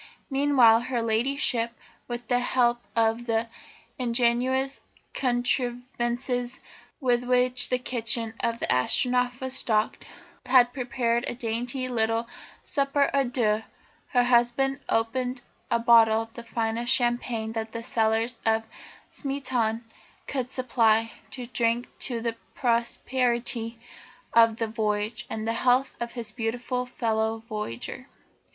Meanwhile, her Ladyship, with the help of the ingenious contrivances with which the kitchen of the Astronef was stocked, had prepared a dainty little souper à deux. Her husband opened a bottle of the finest champagne that the cellars of Smeaton could supply, to drink to the prosperity of the voyage, and the health of his beautiful fellow voyager.